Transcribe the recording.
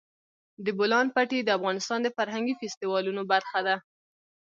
د بولان پټي د افغانستان د فرهنګي فستیوالونو برخه ده.